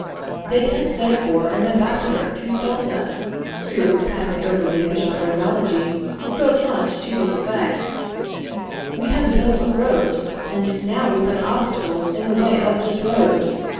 They sent therefore an ambassador to Stulta, who (passing over the official phraseology) spoke much to this effect: "We have built a road, and now we put obstacles in the way of this road.